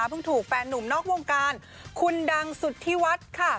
ถูกแฟนหนุ่มนอกวงการคุณดังสุธิวัฒน์ค่ะ